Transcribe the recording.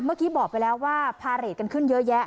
เมื่อกี้บอกไปแล้วว่าพาเรทกันขึ้นเยอะแยะ